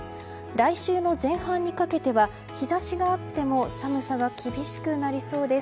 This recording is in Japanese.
来週の前半にかけては日差しがあっても寒さが厳しくなりそうです。